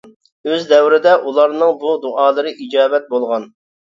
ئۆز دەۋرىدە ئۇلارنىڭ بۇ دۇئالىرى ئىجابەت بولغان.